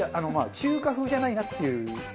中華風じゃないなっていう。